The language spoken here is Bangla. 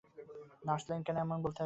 নার্স লেইন কেন এমন বলতে যাবে?